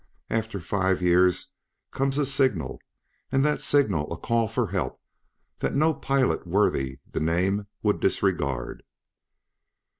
After five years comes a signal and that signal a call for help that no pilot worthy the name would disregard....